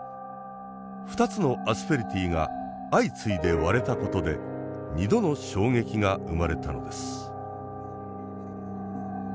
２つのアスペリティが相次いで割れたことで２度の衝撃が生まれたのです。